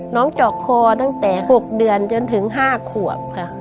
เจาะคอตั้งแต่๖เดือนจนถึง๕ขวบค่ะ